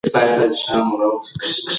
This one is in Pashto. دوی په خپله مورنۍ ژبه زده کړه کوي.